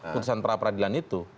putusan peradilan itu